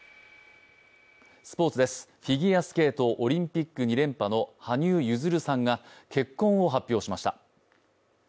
スポ−ツです、フィギュアスケートオリンピック２連覇の羽生結弦さんが結婚を発表しました。